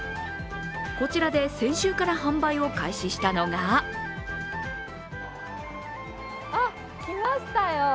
こちらで先週から販売を開始したのがあっ、来ましたよ。